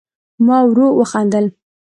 ما ورو وخندل